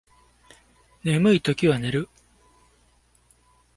眠いときは寝る